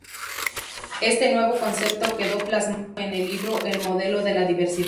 Este nuevo concepto quedó plasmado en el libro "El modelo de la diversidad.